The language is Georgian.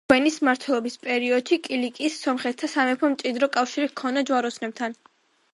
რუბენის მმართველობის პერიოდში კილიკიის სომეხთა სამეფოს მჭიდრო კავშირი ჰქონდა ჯვაროსნებთან.